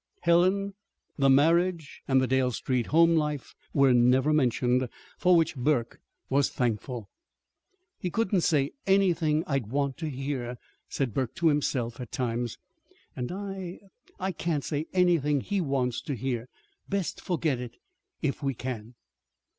Helen, the marriage, and the Dale Street home life were never mentioned for which Burke was thankful. "He couldn't say anything I'd want to hear," said Burke to himself, at times. "And I I can't say anything he wants to hear. Best forget it if we can."